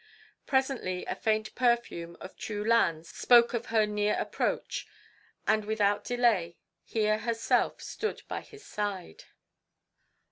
Presently a faint perfume of choo lan spoke of her near approach, and without delay Hiya herself stood by his side.